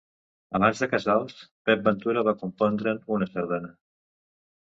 Abans de Casals, Pep Ventura va compondre'n una sardana.